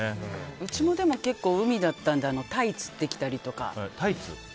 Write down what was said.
うちも、結構、海だったのでタイを釣ってきたり。